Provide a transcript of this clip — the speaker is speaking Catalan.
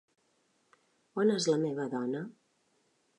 On és la meva dona?